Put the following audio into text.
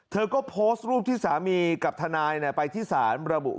เธอก็โพสต์รูปที่สามีกับทนายไปที่ศาลระบุ